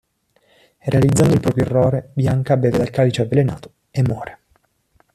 Realizzando il proprio errore, Bianca beve dal calice avvelenato e muore.